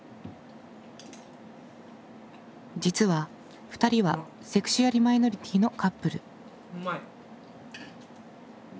実は２人はセクシュアルマイノリティーのカップル。